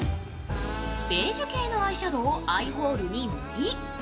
ベージュ系のアイシャドウをアイホールに塗り